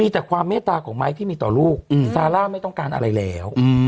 มีแต่ความเมตตาของไม้ที่มีต่อลูกซาร่าไม่ต้องการอะไรแล้ว